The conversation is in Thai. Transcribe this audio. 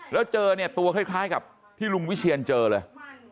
แล้วเจอเนี่ยตัวคล้ายกับที่ลุงวิเชียนเจอเลย